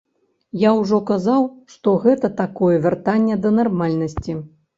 Я ўжо казаў, што гэта такое вяртанне да нармальнасці.